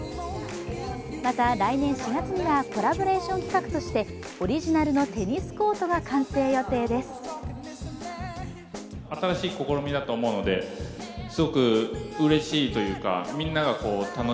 また、来年４月にはコラボレーション企画としてオリジナルのテニスコートが完成予定です。